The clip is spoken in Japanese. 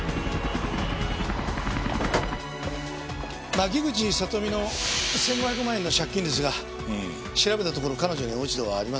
牧口里美の１５００万円の借金ですが調べたところ彼女に落ち度はありませんでした。